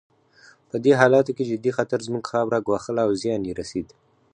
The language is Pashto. په دې حالاتو کې جدي خطر زموږ خاوره ګواښله او زیان یې رسېد.